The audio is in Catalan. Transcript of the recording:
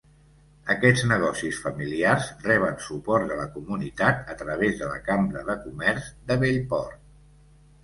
Aquests negocis familiars reben suport de la comunitat a través de la Cambra de Comerç de Bellport.